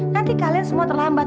nanti kalian semua terlambat